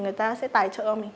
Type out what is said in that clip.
người ta sẽ tài trợ cho mình